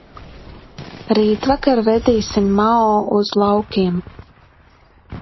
Rītvakar vedīsim Mao uz laukiem.